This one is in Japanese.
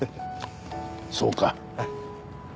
そうか。